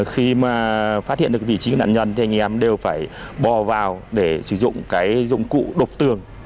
khi mà phát hiện được vị trí nạn nhân thì anh em đều phải bò vào để sử dụng cái dụng cụ độc tường